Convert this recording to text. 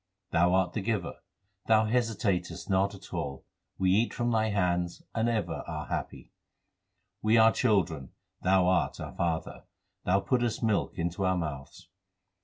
Thou art the Giver ; Thou hesitatest not at all ; we eat from Thy hands and are ever happy. We are children, Thou art our Father, Thou puttest milk into our mouths.